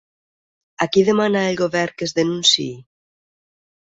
A qui demana el govern que es denunciï?